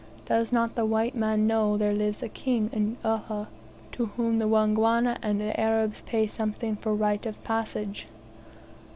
Does not the white man know there lives a king in Uhha, to whom the Wangwana and Arabs pay something for right of passage?"